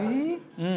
うん。